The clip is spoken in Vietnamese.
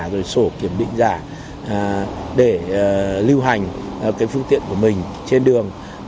rồi sổ kiểm định giả để lưu hành cái phương tiện của mình trên đường